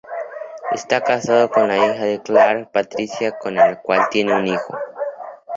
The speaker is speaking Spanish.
Está casado con la hija de Clark, Patricia, con la cual tiene un hijo.